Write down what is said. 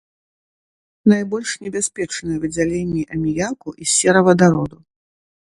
Найбольш небяспечныя выдзяленні аміяку і серавадароду.